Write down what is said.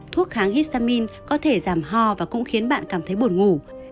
thuốc kháng histamin có thể giảm ho và cũng khiến bạn cảm thấy buồn ngủ